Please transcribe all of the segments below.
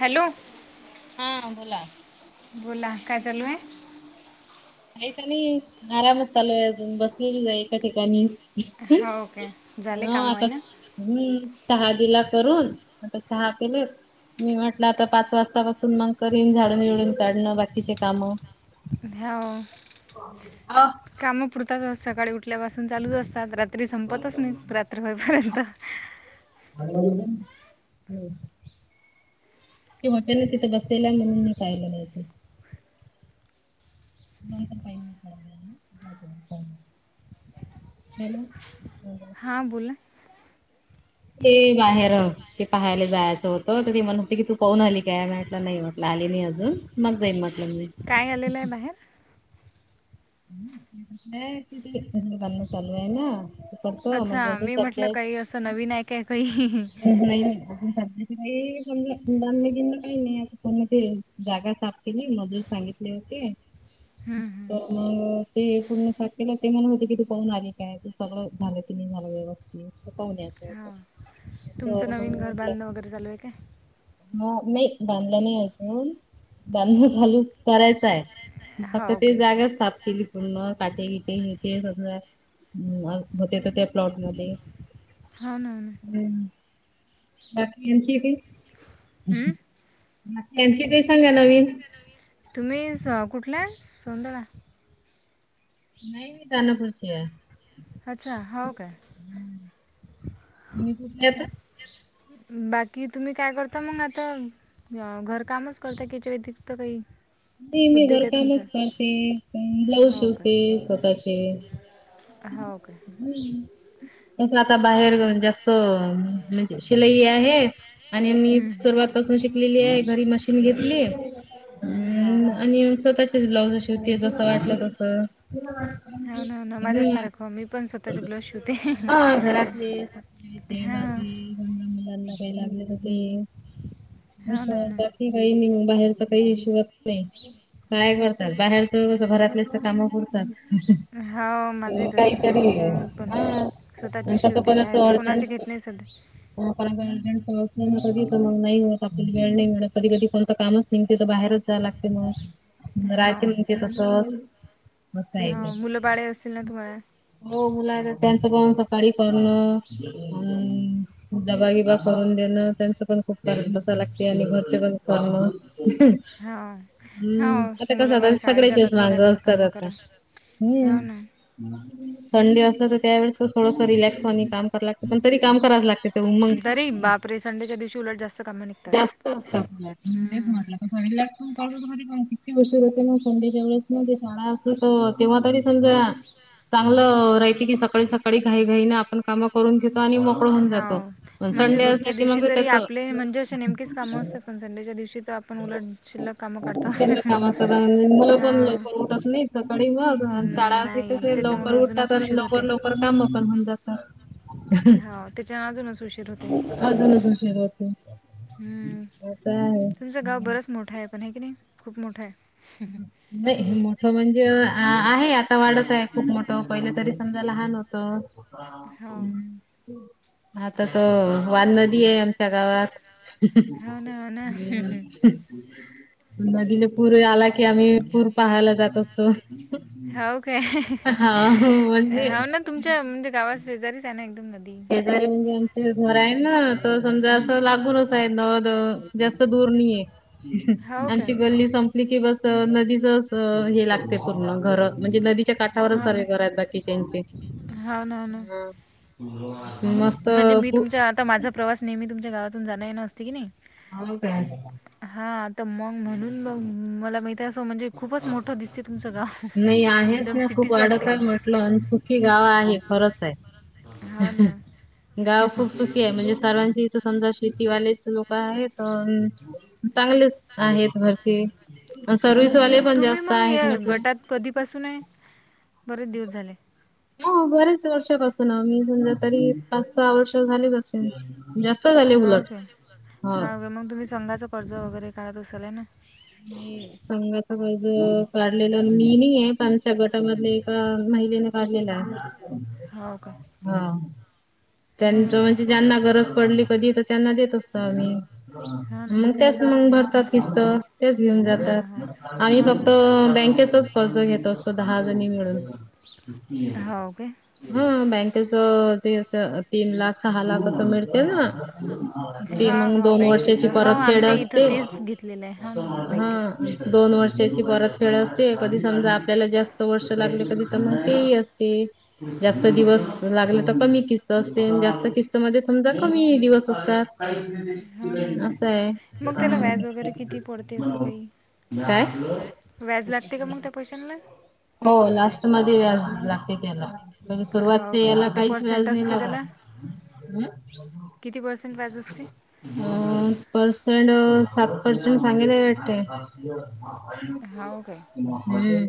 Hello हा बोला बोला काय चालू आहेय? काच नाही आरामच चालू आहे अजून बसलेली आहे एका ठिकाणी. हां ओके झाले हा काम आहे आता ना? हम्म सहा दिला करून आता सहा केले मी म्हटलं आता पाच वाजतापासून मग करीन झाडून येळून काढणं बाकीचे कामं नाही अ काम पुरतात सकाळी उठल्यापासून चालूच असतात रात्री संपतच नाही रात्री रय पर्यंत आणि हम् हॉटेल तिथे बसला म्हणून मी पाहिलं नाही. नंतर काही नाही. हॅलो हां बोला ते बाहेर ते पाहायला जायचं होतं तर त ते म्हण होते की तू पाहून आली काय म्हटलं नाही म्हटलं आली नाही अजून मग जाईन म्हटलं मी काय आलेलं आहे बाहेर ति बांणं चालू आहे ना तो म्हणजे अच्छा अजून मी सध्या म्हटलं काही असं नवीन आहे काय काही नाही [unintelligible] दमले बिमले काही नाही कोणती जागा साप केली मजुर सांगितले होते. हम हम् तर मग ते पूर्ण साठलेलं ते म्हण होते की तू पळून आली काय तू सगळं झालं ति मंग झाला व्यवस्थित. फक्त पाण्याच होत. हो तुमचं नवीन घर बांधणं वगैरे चालू आहे काय, हा नाही बांधलं नाही आजून बांधण चालू. करायच आहे फक्त हो ओके ते जागाच साफ केली पूर्ण काटे विटेे ते सगळं. हम् होते तर त्या प्लॉटमध्ये. हो ना हो ना हां बाकी आणखी काही हम्म? त्यांची काही सांगा नवीन. नवीन तुम्ही स कुठलाय सौंदाणा नाही मी दनापुर अच्छा हो काय. तुम्ही कुठल्या येता. बाकी तुम्ही काय करता मंग आता. अ घर कामच करते की त्याच्या व्यतिरिक्त काही नाही मी उद्योग आहे तुमचा घरकामच करते ब्लाऊज हो काय शिवते स्वतःचे हो काे तस आता बाहेर जास्त शिलाई आहे आणि मी हम्म. सरवात पासून शिकलेली आहे घरी मशीन घेतली, हा हम्म हा आणि मग स्वतःचीच ब्लाउज शेवती जस वाटलं तस हो ना हो ना हम्म माझ्यासारखं मी पण स्वतःचे ब्लाऊज शिवते हा घरात [unintelligible] लहान हां लहान मुलांना काय लागल हो ना हो ना तर दे नाही मी बाई बाहेरच काही शिवत नाही. काय करतात बाहेरच घरातलेच काम करतात हो माझंही तसंच काहीतरी, आहे मी पण स्वतःचे शिवते बाहेरचे कोणाचे घेत नाही सध्या [inaudible] ण कध मग नाही आपल्या वेळ नाही मिळत कधी कधी कोणतं कामच नाही. ते तर बाहेरच जायला लागते मग हो राहते मग कस. हा मुलं बाळे असेन ना तुम्हाला हो मुला त्यांचं पण सकाळी करणं अ. डब्बा बीबा करून देण त्यांचं पण खूप, करत बसायला लागतंय घरचे पण काम. हा. हम्म हा आता मुलं कसं आ बाळं शाळेत जातात सगळं तर त्यांचं मागअसतात कामं आता करा हो हम्म. ना संडे असत तर त्यावेेळेस थोडस रिलॅक्स आणि काम करा लागतं पण तरी काम करावच लागते. मंग तरी बापरे संडेच्या दिवशी उलट जास्त कामं निघतात जास्त [unintelligible] मी नहीं हम्म. मारल्या [inaudible] ण [unintelligible] पण किती उशीर होते मग संडेच्यावेळी ते शाळा अस तर तेव्हा तरी समजा चांगलं र किती सकाळी सकाळी घाई घाईने आपण काम करून घेतो आणि मोकळ होून जातो हो पण म्हणजे संडे रोजच्या असला दिवशी मग त्या तरी घटत आपले म्हणजे असे नेमकच काम असतात पण संडेच्या दिवशी तर आपण उलट. शिल्लक कामं काढतो शिल्लक कामातर मुले पण हा लवकर उठत नाही सकाळी मग. शाळा असलं नाही तर त्याच्यामुळे लवकर उठतात अजूनच आणि उशीर होते लवकर लवकर काम पण होऊन जातात हा त्याच्या अजूनच उशीर होते. अजूनच उशीर हो हम्म तुमचं गाव बरच मोठं आहे पण आहे की नाही खूप मोठं आहे हम्. नाही मोठं म्हणजे आहे आता वाढत आहे खूप मोठं पहिले तरी समजाय लहान होत. ह हो होता आता त वन नदी आहे आमच्या गावात हो ना, हो ना. हम्. नदीला पूर आला की आम्ही पूर पहायला जात असतो. हाऊ काय हा म्हणजे हो ना''--'' तुमच्या म्हणजे गावास शेजारीच आहे ना एकदम नदी. ह ते घर आहे ना तर समजा असं लागूनच आहे न जास्त दूर नाहीय हो [inaudible] का? आची गल्ली संपली की बस नदीच हे लागते पूर्ण घर म्हणजे नदीच्या काठावरच हो ना. सर्वे करात बाकीच्याचे हो ना, हो ना. ह हो म्हणजे मी तुमचा आता माझा प्रवास नेहमी तुमच्या गावातून जाण नसते की नाही. होा का? हा आता मग म्हणून बघ मला माहिती आहे असं म्हणजे खूपच मोठं दिसते तुमचं गाव नाही आहेच एकदम ना खूप सिटीच वाडत वाटते. आहे म्हटलं अनसुखी गाव आहे खरंच आहे. ह हो ह ना. गाव खूप सुखी आहे म्हणजे सर्वांची इथं समजा शेतीवालेच लोक आहे तर, चांगलेच आहेत घरची हो सर्विस ना, हो वाले ना. पण तुम्ही जास्त मग आहेत या म्हटलं, गटात कधीपासून आहे बरेच दिवस झाले. हो बरेच वर्षापासून मी समजा तरी पाच सहा वर्ष झालेच असेल जा हाव काय हा मग तुम्ही संघाच कर्ज वगैरे काढत असाल हाय ना. नाही संघाचा कर्ज काढलेला मी नाहीये पण''--'' च्या गटामधले एका महिलेने काढलेला, हो का? हा त्यांच म्हणजे ज्यांना गरज पडली कधी तर त्यांना देत असतो आम्ही ना मग त्याच मग भरतात किस्त तेच घेऊन जातात. हो ना हो आम्ही हो हो फक्त ना बँकेचच कर्ज घेतो असतो दहा जणी मिळून. हो काय हा बँकेच ते तीन लाख सहा लाख असं मिळते ना ती मग दोन वर्षाची परत फेडत त तेच घेतलेलं आहे हो ना हो ना हा बँकेचं दोन वर्षे. शाची परत फेड असते, कधी समजा आपल्याला जास्त वर्ष लागले कधी तर मग ते ही असते. जास्त हं. दिवस लागले तर कमी किस्त त जास्त किस्त मध्ये समजा कमी दिवस असतात. हो ना हो ना असंय मग त्याला हम्म. व्याज वगैरे किती पडते असं काही काय? व्याज लागते का मग त्या पैशांना हो लास्ट मध्ये व्याज लागतेय त्याला सुरुवात हो काय यायला किती काहीच व्याज नाही लागतं. [unintelligible] हम्म. किती पर्सेंट व्याज असते? अ पर्सेंट अ सात पर्सेंट सांगेल हाय वाटतें. हो काय हम्म.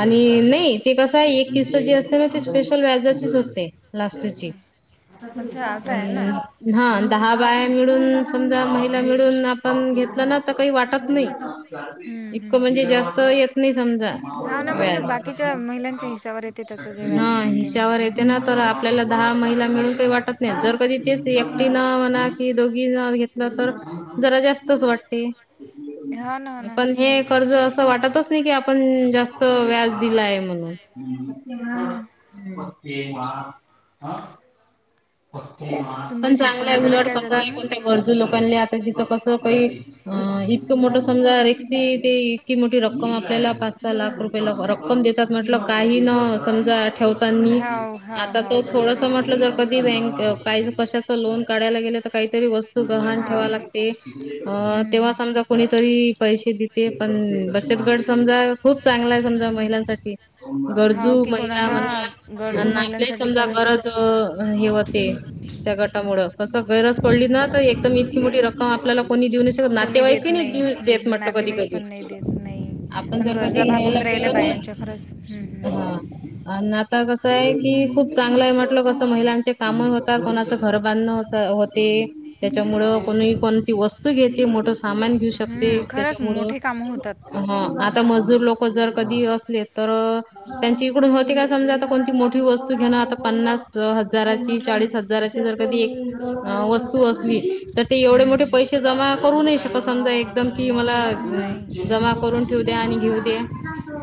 आणि नई ते कसंय एक किस्त जे असते ना, ती स्पेशल व्याजाचीच असतें. लास्टची? अच्छा असं आहे ना हा दहा बाय मिळून समजा महिला मिळून आपणं घेत ना तर काई वाटतं नाई. हम्म इतकं हम्म म्हणजे जास्त येत नाही समजा हा ना म्हणजे व्याज. बाकीच्या महिलांच्या हिशावर येते त्याचं जे ना व्याज असते ते मग हिशावर येते हम्म. ना तर आप पल्याला दहा महिला मिळून काही वाटत नाही जर कधी तेच एकटी न म्हणा कि दोघींन जर त जरा जास्तच वाट [unintelligible] हा ना ना म्हंजे कर्ज असं वाटतच नाही की आपण जास्त व्याज दिलय [unintelligible] पण तुमचं शिक्षण चांगला आहे वगैरे उलट काय कसा झालं आहे मग कोणत्या गरजू लोकां ले आता तिथं कस तो काही अ इतकं मोठं समजा रिकसी ते इतकी मोठी रक्कम आपल्याला पाच सहा लाख रुपये रक्कम देत त म्हटल काही न समजा ठेवतानी हाव हाव आता तो हाव बरोबर थोडस आहे म्हट जर कधी बी बॅकं काय म्हटल कशाच लोन काढायला गेले त काहीतरी वस्तू गहण ठेवा हाव लाग त अ तेव्हा हम्म समजा कोणीतरी पैसे देते पण बचत गट समजा खूप चांगला आहे समजा हम्म महिलांसाठी हाव गरजू की कोणा महिला म्हण हा अन गरजू ना आपले महिलांसाठी समजा खरंच बरच अ हे होते त्या गटामुळे कस गरज पडली ना हम्म. तर एकदम इतकी मोठी रक्कम आपल्याला कोणी देऊ नाही शकत कोणी देत नातेवाईकही नाही नाई देऊ देत हम्म म्हटलं कधी नातेवाईक कधी. पण नाही देत नाही आपण पण जर कधी गरजा घ्यायला भागून रायल्या बायांच्या खरंच हम्म हम्म. आ न आता कसंय की खूप चांगलं आहे म्हटलं त महिलांचे काम होता कोणाच घर बांधण होत होते त्याच्यामुळ हाव कोणी कोणती वस्तू घेते मोठ सामान घेऊ शकते हम्म, खरंच त्याच्यामुळ. मोठे कामं होतात हम्म आ आता मजदूर लोक जर कधी असले तर अ त्यांची इकडून होते काय समजा आता कोणती मोठी वस्तू घेणं आता पन्नास स हजाराची चाळीस हजाराची जर का ती एक वस्तू असलीं तर ते एवढे हम्म, मोठे हम्म. पैशे जमा करू नाई शकत समजा एकदम कि मला अ नाही जमा करून ठेवू द्या आणि घेऊ दया.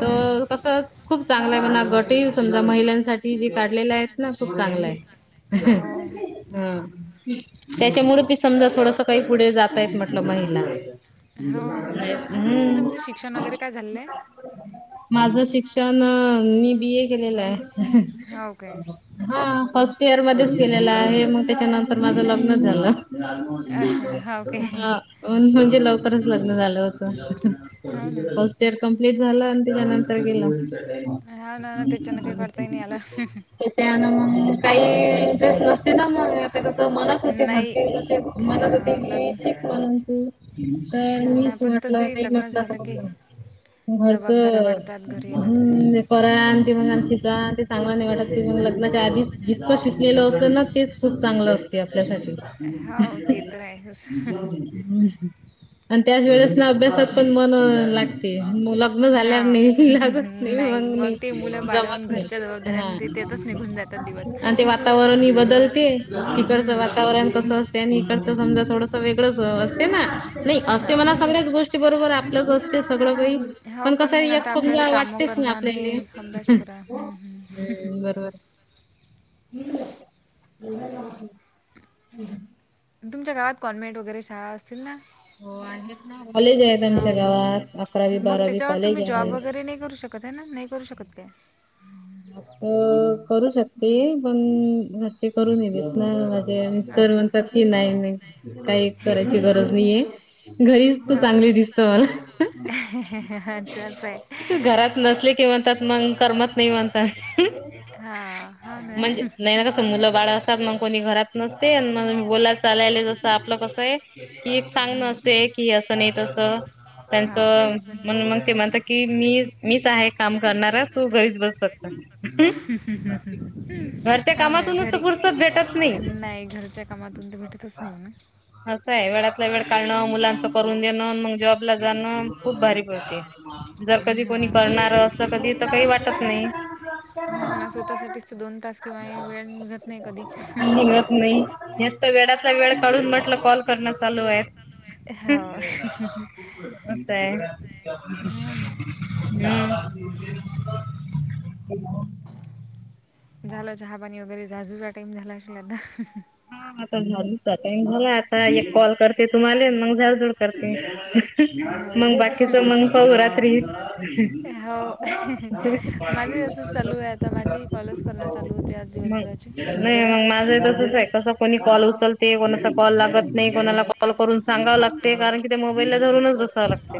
त तर अ कस खूप चांगला आहे, म्हणा गटही समजा महिलांसाठी जे काढलेले आहेत ना. खूप चांगलं आहे हां. त्याच्यामुळे बी समजा थोडस काही पुढे जातायेत म्हटलं महिला. हो आणि हम्म. तुमचं शिक्षण वगैरे काय झालेलं आहे माझं शिक्षण मी बी ए केलेलं आहे. हो काय ह फर्स्ट इयर मध्येच केलेलं आहे मगं त्याच्यानंतर माझं लग्नं झालं. अच्छा हो काय हा म्हणजे लवकरच लग्न झालं होत. हो ना फस्ट [unintelligible] कंप्लीट झाल आणि त्याच्या नंतर गेलं. हो ना ना त्याच्यानं काही करताही नाही आलं त्याच्यान मग काही इंटरेस्ट नसते ना मग म्हणत होती नाही घरचे तसे म्हणत होती हा मी लग्न शिक म्हणू तू. पण हा ना मीच न पण तसंही नाही लग्न म्हटला झालं कस की घर जबाबदाऱ्या तर वाढतात घरी आल्यानंतर हम्म करा आणि ते म्हणणार शिका ते चांगला नाही वाटतं. मग लग्नाच्या आधीच जितकं शिकलेलं असतं ना तेच खूप चांगलं असते आपल्यासाठी. हो ते तर आहेच [inaudible] आणि त्याच वेळेस ना अभ्यासात पण मन लागते म लग्न झाल्यावर हा नई लागत नई नाही मग नई ते मुलं बाळवून जमत नई घरच्या हा. जबाबदाऱ्यानं ते त्यातच निघून जातात दिवस आणि ते वा वातावरण ही बदलते इकडचं हम्म. वातावरण कस असते, आणि इकडचं समजा थोडस वेग असते ना, नाही असते मला सगळ्याच हो गोष्टी बरोबर आपलंच असते सगळं काही. हो पण, कसं मग आहे एक आता आपल्याला समजा कामं वाटतेच ना करणं आणि आपल्याले हे अभ्यास करा. हम्म, बरोबर. [unintelligible] तुमच्या गावात गव्हर्नमेंट वगैरे शाळा असतील ना? हो आहेत ना कॉलेज आहेत हा, आमच्या गावात अकरावी मग मग बारावी त्याच्यावर कॉलेज तुम्ही जॉब आहे वगैरे नाही करू शकत शकत आहे ना, नाही करू शकत काय? अ करू शकते पण, घरचे करू देनात ना. तेन तर अच्छा म्हणतात की नाही नाही, काहीच करायची गरज नाहीये. घरीच तू हो चांगली दिसते म्हण. अच्छा असं आहे [unintelligible] घरात नसले किंवा त्यात मग करमत नाही म्हणता [unintelligible] हा हो ना म्हणजे नाही असं मुलं बाळ असतात मग कोणी घरात नसते म बोला चालायला जस आपलं कस आहे, कि सांगण हम्म. असंय कि असं नाही तस. त्यांच हा बरोबर म्हणून मग ते म्हणता की, मी आहे -मीच आहे काम करणारा तू घरीच बसं. घरच्या हो ना कामातूनच तर पुुरसत भेटत नाही. रोजच्या कामातून तर भेटतच नाही म्हणा. असं आहे वेळातला वेळ काढणं मुलांच करून देणं मग, जॉबला जाणं खूप भारी पडते. जर कधी हो कोणी करणार असं कधी तर, काही वाटत नाही. होना ना, स्वतःसाठीच तर दोन तास किंवा वेळ मिळत नाही कधी. निघत नाही एक तर वेळातन वेळ काढून म्हटलं कॉल करण चालू आहे. हो हम्म, मग काय? हो ना [unintelligible] हम्म, [unintelligible] झालं चहापाणी वगैरे झाझूचा टाइम झाला असेल आता. हा आता झाडूचा टाईम झालाय, आता एक कॉल करते तुम्हाले मग झाडझूड करते. हो मग ना बाकीच मग पाहु रात्री हो माझी असं चालू आहे आता माझी कॉलेज करणं चालू होते. मग दिवसभराची म माझं तसचाय. कस कोणी कॉल उचलते, कोणाचा कॉल लागत नई, कोणाला कॉल करून सांगावं लागते कारण कि त्या मोबाईल ला रूनच बसाव लागते.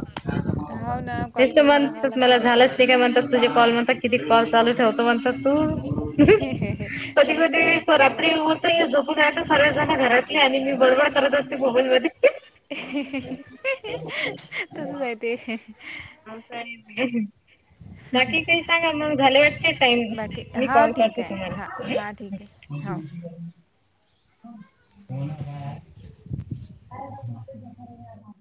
हो ना हे कॉल तर करून सांगावं म्हणतात लागते मला त्याच्या झालंच नाही आधी काय म्हणतात तुझे कॉल म्हणतात किती कॉल चालू ठेवतो म्हणतात तू. कधी चालूच कधी ठेवावं लागतात तू रात्री आता होऊ जोपून राहते सर्वजणी घरातले आणि मी बडबड करत असते मोबाईल मध्ये. [inaudible] तसंचाय ते. हसाय [inaudible] बाकी काय सांगा मग झाले वाटते टाइम? बाकी मी हो कॉल ठीक करते आहे हां तुम्हाला हां ठीक आहे हो हम्म. [inaudible] हो.